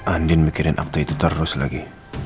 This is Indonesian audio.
andi mikirin akte itu terus lagi